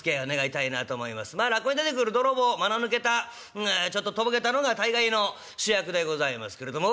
まあ落語に出てくる泥棒間の抜けたちょっととぼけたのが大概の主役でございますけれども。